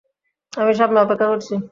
আমি সামনে অপেক্ষা করছি।